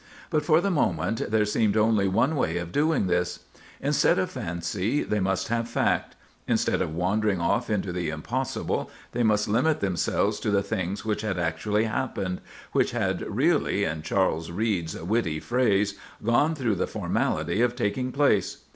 But for the moment, there seemed only one way of doing this. Instead of fancy, they must have fact; instead of wandering off into the impossible, they must limit themselves to the things which had actually happened—which had really, in Charles Reade's witty phrase, gone through the formality of taking place.